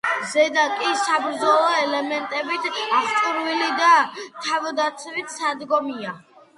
ზედა კი საბრძოლო ელემენტებით აღჭურვილი და თავდაცვითი სადგომია.